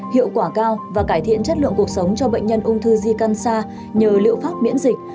hiệu quả cao và cải thiện chất lượng cuộc sống cho bệnh nhân ung thư zika xa nhờ liệu pháp biễn dịch